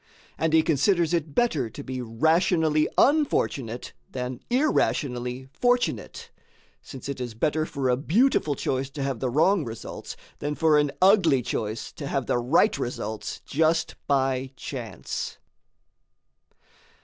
And he considers it better to be rationally unfortunate than irrationally fortunate, since it is better for a beautiful choice to have the wrong results than for an ugly choice to have the right results just by chance.